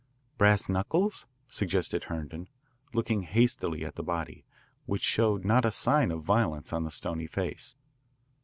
"Brass knuckles?" suggested Herndon, looking hastily at the body, which showed not a sign of violence on the stony face.